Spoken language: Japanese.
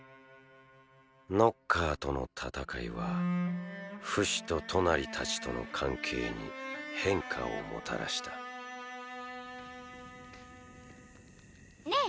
ノッカーとの戦いはフシとトナリたちとの関係に変化をもたらしたねえ